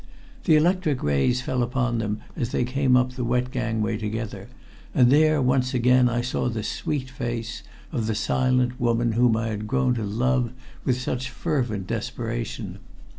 The electric rays fell upon them as they came up the wet gangway together, and there once again I saw the sweet face of the silent woman whom I had grown to love with such fervent desperation.